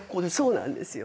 そうなんですよ。